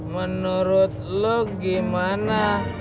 menurut lu gimana